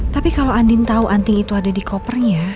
tapi kalau andin tahu anting itu ada di kopernya